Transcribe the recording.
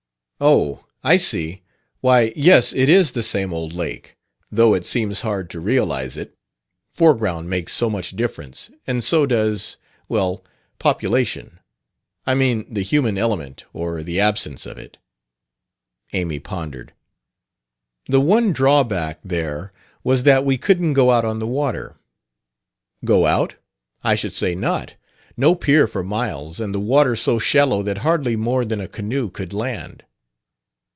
"Oh, I see. Why, yes, it is the same old lake, though it seems hard to realize it. Foreground makes so much difference; and so does well, population. I mean the human element, or the absence of it." Amy pondered. "The one drawback, there, was that we couldn't go out on the water." "Go out? I should say not. No pier for miles, and the water so shallow that hardly more than a canoe could land.